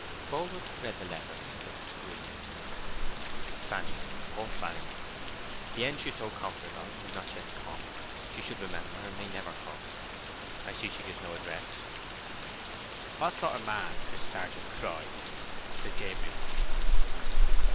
Boldwood read the letter and looked grieved. "Fanny—poor Fanny! the end she is so confident of has not yet come, she should remember—and may never come. I see she gives no address." "What sort of a man is this Sergeant Troy?" said Gabriel.